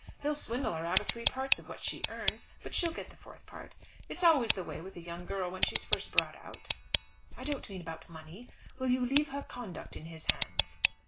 He'll swindle her out of three parts of what she earns; but she'll get the fourth part. It's always the way with a young girl when she's first brought out." "I don't mean about money. Will you leave her conduct in his hands?"